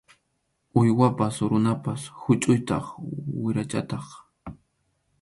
Uywapas runapas huchʼuytaq wirachataq.